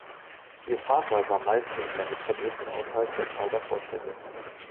Ihr Vater war Malzhändler mit Fabriken außerhalb der Prager Vorstädte.